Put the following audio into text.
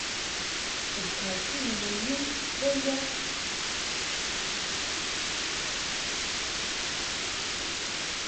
U ka jun yɔ yum bə ya?